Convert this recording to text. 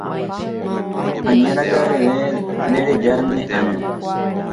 ani araka'eve ndereja ne año